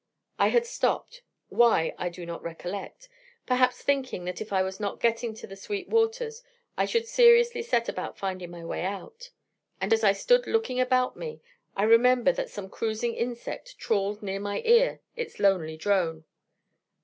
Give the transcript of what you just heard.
I had stopped why I do not recollect perhaps thinking that if I was not getting to the Sweet Waters, I should seriously set about finding my way out. And as I stood looking about me, I remember that some cruising insect trawled near my ear its lonely drone.